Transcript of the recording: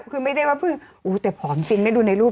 คือไม่ได้ว่าโอ้โฮแต่ผอมจริงนะดูในรูป